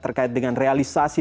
terkait dengan realisasi